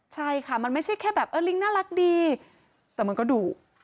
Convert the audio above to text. ใช่ค่ะมันไม่ใช่แค่แบบเออลิงน่ารักดีแต่มันก็ดุ